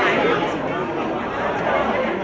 อันดับสุดของเมืองอ